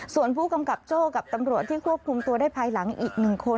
ส่วนผู้กำกับโจ้กับตำรวจที่ควบคุมตัวได้ภายหลังอีก๑คน